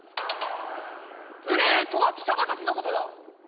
無礼とは貴様たちのことだ。